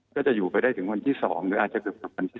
ก็จะอยู่ไปได้ถึงวันที่๒หรืออาจจะอยู่ไปถึงวันที่๓